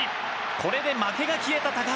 これで負けが消えた高橋。